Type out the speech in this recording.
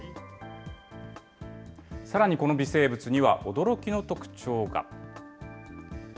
さらにこの微生物には驚きの特徴が。